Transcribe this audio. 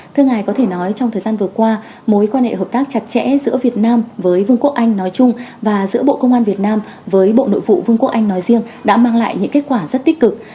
thưa ngài có thể nói trong thời gian vừa qua mối quan hệ hợp tác chặt chẽ giữa việt nam với vương quốc anh nói chung và giữa bộ công an việt nam với bộ nội vụ vương quốc anh nói riêng đã mang lại những kết quả rất tích cực